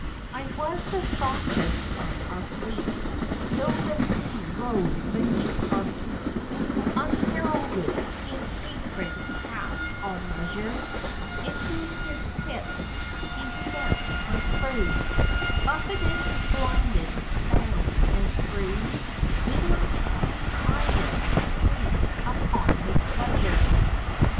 _ _I was the staunchest of our fleet Till the Sea rose beneath our feet Unheralded, in hatred past all measure. Into his pits he stamped my crew, Buffeted, blinded, bound and threw; Bidding me eyeless wait upon his pleasure.